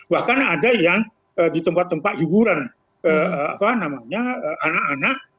bahkan ada yang di tempat tempat hiburan anak anak